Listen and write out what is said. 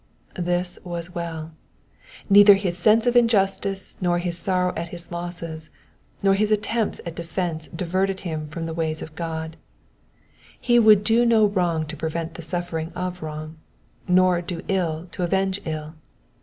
''^ This was well. Neither his sense of injustice, nor his sorrow at his losses, nor his attempts at defence diverted him frotn the ways of God. He would not do wrong to prevent the suffer ing of wrong, nor do ill to avenge ill.